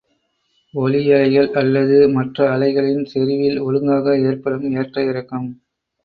ஒலியலைகள் அல்லது மற்ற அலைகளின் செறிவில் ஒழுங்காக ஏற்படும் ஏற்ற இறக்கம்.